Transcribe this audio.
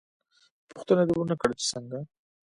_ پوښتنه دې ونه کړه چې څنګه؟